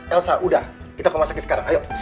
elsa udah kita ke rumah sakit sekarang ayo